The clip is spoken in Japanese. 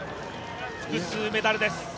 複数メダルです。